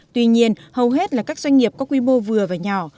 tuy nhiên hầu hết là các doanh nghiệp có quy mô vừa và nhỏ